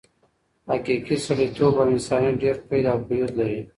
حقیقي سړیتوب او انسانیت ډېر قید او قیود لري.